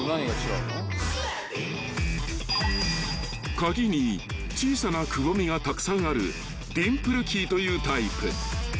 ［鍵に小さなくぼみがたくさんあるディンプルキーというタイプ］